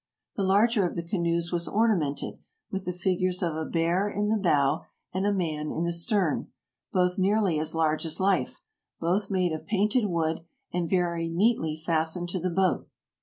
The larger of the canoes was ornamented with the figures of a bear in the bow and a man in the stern, both nearly as large as life, both made of painted wood, and very neatly fastened to the boat.